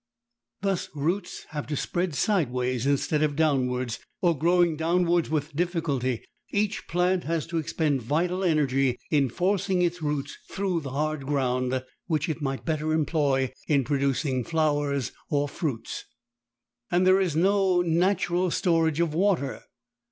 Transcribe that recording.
Thus roots have to spread sideways instead of downwards; or, growing downwards with difficulty, each plant has to expend vital energy in forcing its roots through the hard ground which it might better employ in producing flowers or fruits. And there is no natural storage of water.